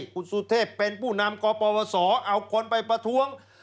คุณสุเทพเป็นผู้นำกปวสเอาคนไปประท้วง